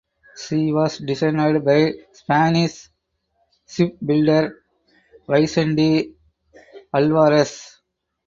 She was designed by Spanish shipbuilder Vicente Alvarez.